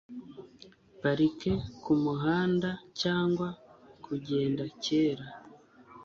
parike kumuhanda cyangwa kugenda kera